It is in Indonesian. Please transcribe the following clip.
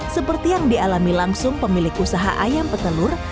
seperti yang dialami langsung pemilik usaha ayam petelur